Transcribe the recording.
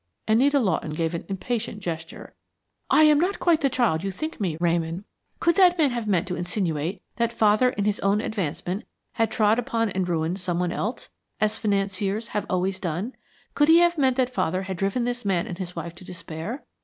Anita Lawton gave an impatient gesture. "I am not quite the child you think me, Ramon. Could that man have meant to insinuate that father in his own advancement had trod upon and ruined some one else, as financiers have always done? Could he have meant that father had driven this man and his wife to despair?